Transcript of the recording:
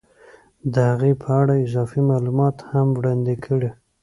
د هغې په اړه اضافي معلومات هم وړاندې کړي